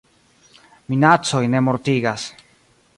Minacoj ne mortigas.